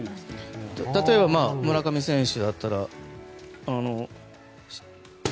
例えば、村上選手だったら。